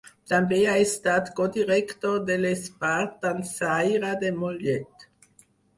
També ha estat codirector de l'Esbart Dansaire de Mollet.